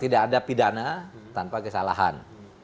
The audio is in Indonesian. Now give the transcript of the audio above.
tidak ada pidana tanpa kesalahan